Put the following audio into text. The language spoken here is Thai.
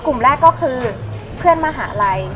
กลุ่มแรกก็คือเพื่อนมหาลัย